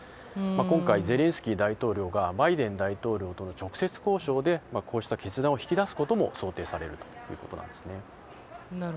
今回ゼレンスキー大統領がバイデン大統領との直接交渉でこうした決断を引き出すことも想定されるということです。